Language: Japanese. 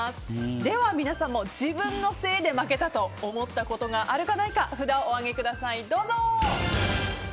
では皆さんも自分のせいで負けたと思ったことがあるかないか札をお上げください。